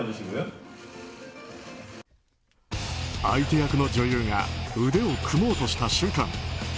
相手役の女優が腕を組もうとした瞬間